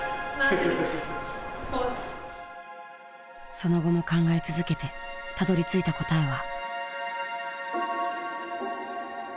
その後も考え続けてたどりついた答えは。